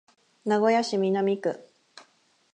名古屋市南区